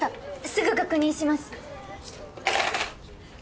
すぐ確認します。